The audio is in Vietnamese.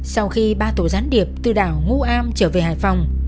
sau khi ba tổ gián điệp từ đảo ngô am trở về hải phòng